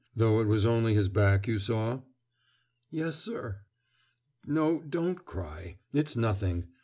Though it was only his back you saw?" "Yes, sir...." "No, don't cry. It's nothing.